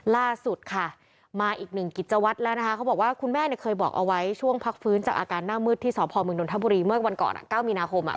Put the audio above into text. ล่าสุดค่ะมาอีกหนึ่งกิจวัตรแล้วนะคะเขาบอกว่าคุณแม่เนี่ยเคยบอกเอาไว้ช่วงพักฟื้นจากอาการหน้ามืดที่สพมนนทบุรีเมื่อวันก่อน๙มีนาคม